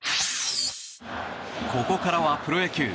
ここからはプロ野球。